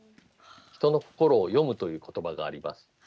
人の心を読むという言葉があります。